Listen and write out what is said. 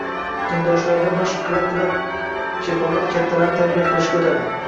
Tengdoshlarida mashq qila-qila, bola kattalarni “tarbiya qilishga” o‘tadi.